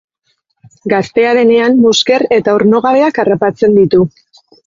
Gaztea denean musker eta ornogabeak harrapatzen ditu.